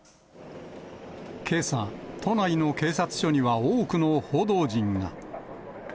けさ、都内の警察署には多くの報道陣が。